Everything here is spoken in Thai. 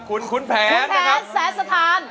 คุณแผนคุณแผนแสดงสถาน